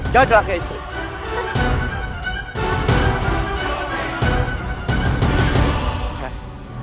jadilah kayak istri